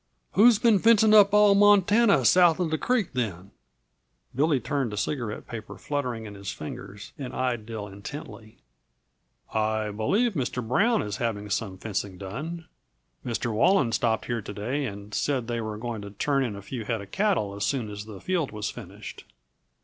Who's been fencing up all Montana south uh the creek, then?" Billy turned, a cigarette paper fluttering in his fingers, and eyed Dill intently. "I believe Mr. Brown is having some fencing done. Mr. Walland stopped here to day and said they were going to turn in a few head of cattle as soon as the field was finished."